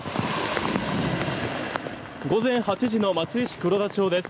午前８時の松江市黒田町です。